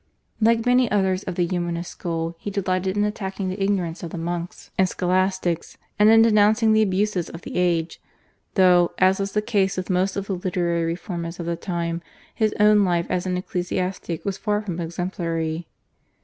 Like many others of the Humanist school he delighted in attacking the ignorance of the monks and Scholastics, and in denouncing the abuses of the age, though, as was the case with most of the literary reformers of the time, his own life as an ecclesiastic was far from exemplary.